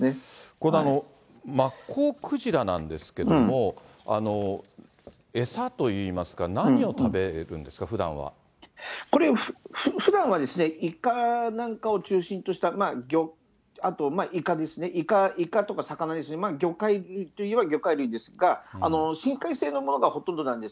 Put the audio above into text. このマッコウクジラなんですけども、餌といいますか、何を食これ、ふだんはイカなんかを中心とした、イカですね、イカとか魚ですね、魚介といえば魚介類ですが、深海性のものがほとんどなんです。